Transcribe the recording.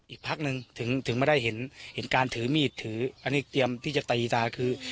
อีกพักหนึ่งถึงไม่ได้เห็นการถือมีดถืออันนี้เตรียมที่จะตีตาคือ